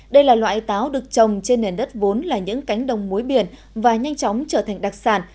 đây là loại táo được trồng trên nền đất vốn là những cánh đồng muối biển và nhanh chóng trở thành đặc sản